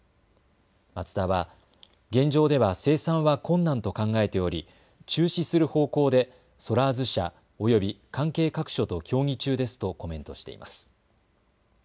マツダは現状では生産は困難と考えており、中止する方向でソラーズ社、および関係各所と協議中ですとコメントしています。